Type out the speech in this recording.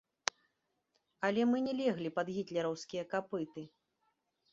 Але мы не леглі пад гітлераўскія капыты!